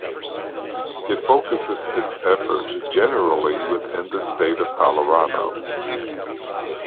It focuses its efforts generally within the state of Colorado.